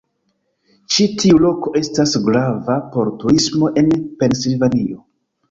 Ĉi tiu loko estas grava por turismo en Pensilvanio.